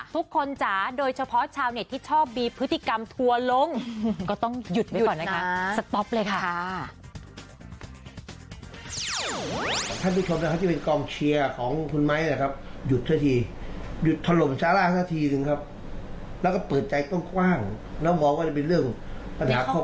จ๋าโดยเฉพาะชาวเน็ตที่ชอบมีพฤติกรรมทัวร์ลงก็ต้องหยุดไว้ก่อนนะคะสต๊อปเลยค่ะ